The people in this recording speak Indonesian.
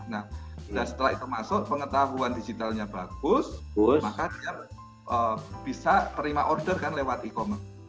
nah setelah itu masuk pengetahuan digitalnya bagus maka dia bisa terima order kan lewat e commerce